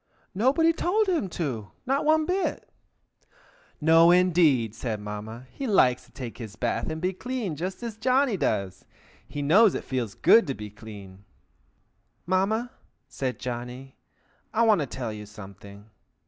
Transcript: Nobody told him to, not one bit." "No, indeed!" said Mamma. "He likes to take his bath and be clean, just as Johnny does. He knows it feels good to be clean." "Mamma!" said Johnny. "I want to tell you something.